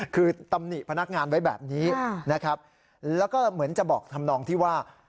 คือตำหนิพนักงานไว้แบบนี้นะครับแล้วก็เหมือนจะบอกทำนองที่ว่า